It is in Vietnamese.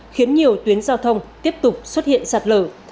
khiến nhiều tuyến giao thông tiếp tục xuất hiện sạt lở